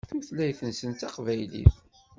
Tutlayt-nsen d taqbaylit.